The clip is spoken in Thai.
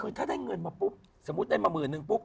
คือถ้าได้เงินมาปุ๊บสมมุติได้มาหมื่นนึงปุ๊บ